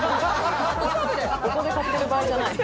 「ここで買ってる場合じゃない」